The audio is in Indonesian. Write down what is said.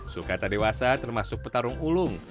sulkata dewasa termasuk petarung ulung